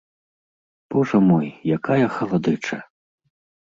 Божа мой, якая халадэча!